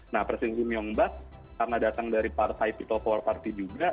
nah presiden im yongbak karena datang dari partai pitopower parti juga